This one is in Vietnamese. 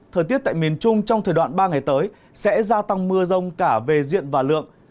thời tiết tại miền trung trong thời đoạn ba ngày tới sẽ gia tăng mưa rông cả về diện và lượng